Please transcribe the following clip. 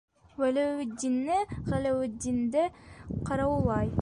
Вәләүетдине Ғәләүетдинде ҡарауыллай.